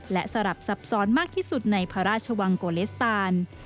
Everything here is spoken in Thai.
และสลับซับซ้อนมากที่สุดในพระราชวังโกเลสตาน